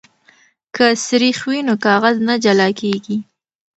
که سريښ وي نو کاغذ نه جلا کیږي.